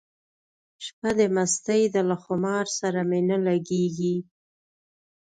شپه د مستۍ ده له خمار سره مي نه لګیږي